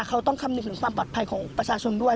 เขาต้องคำนึงถึงความปลอดภัยของประชาชนด้วย